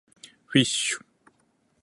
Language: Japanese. fish